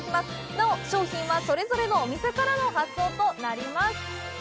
なお、商品はそれぞれのお店からの発送となります。